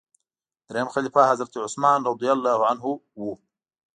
دریم خلیفه حضرت عثمان رض و.